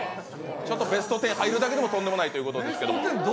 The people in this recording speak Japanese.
ちょっとベスト１０入るだけでもとんでもないということですけれども。